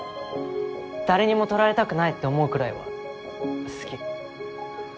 誰にも取られたくないって思うくらいは好き。